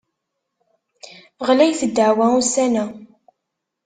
Ɣlayet ddeɛwa ussan-a.